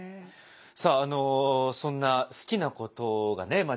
さあそんな好きなことがね